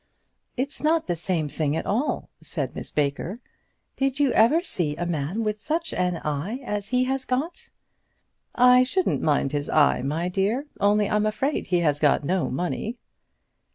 "It's not the same thing at all," said Miss Baker. "Did you ever see a man with such an eye as he has got?" "I shouldn't mind his eye, my dear; only I'm afraid he's got no money."